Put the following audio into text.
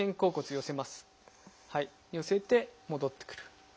寄せて戻ってくる。